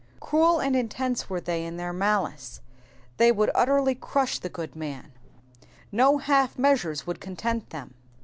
Cruel and intense were they in their malice, they would utterly crush the good man ; no half measures would content them.